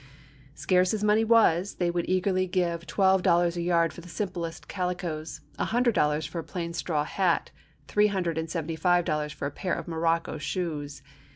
Scarce as money was, they would eagerly give twelve dollars a yard for the simplest calicoes, a hundred dollars for a plain straw hat, three hundred and seventy five dollars for a pair of morocco shoes.